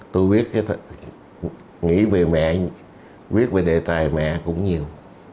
tôi viết cái tác nghĩ về mẹ viết về đề tài mẹ cũng nhiều